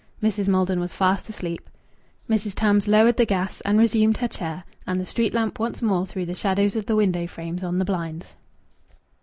Mrs. Maldon was fast asleep. Mrs. Tams lowered the gas and resumed her chair, and the street lamp once more threw the shadows of the window frames on the blinds.